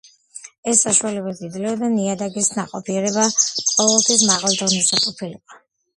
ეს საშუალებას იძლეოდა, ნიადაგის ნაყოფიერება ყოველთვის მაღალ დონეზე ყოფილიყო.